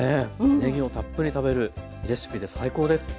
ねぎもたっぷり食べれるレシピで最高です。